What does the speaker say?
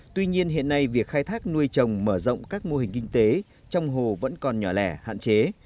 tuy nhiên hiện nay việc khai thác nuôi trồng mở rộng các mô hình kinh tế trong hồ vẫn còn nhỏ lẻ hạn chế